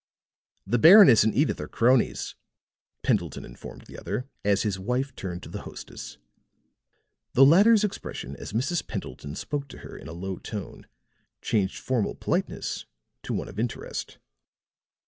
"The Baroness and Edyth are cronies," Pendleton informed the other, as his wife turned to the hostess. The latter's expression as Mrs. Pendleton spoke to her in a low tone changed formal politeness to one of interest.